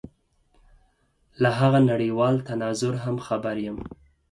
له هغه نړېوال تناظر هم خبر یم.